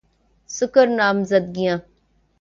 سکر نامزدگیاں